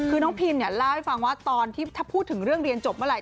คือน้องพิมเนี่ยเล่าให้ฟังว่าตอนที่ถ้าพูดถึงเรื่องเรียนจบเมื่อไห